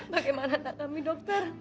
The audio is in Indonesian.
bagaimana tak kami dokter